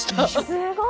すごい！